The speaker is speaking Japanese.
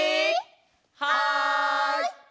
はい！